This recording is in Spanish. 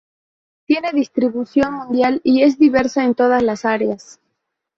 Tiene distribución mundial y es diversa en todas las áreas.